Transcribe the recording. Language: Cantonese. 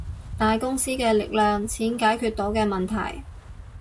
大公司嘅力量，錢解決到嘅問題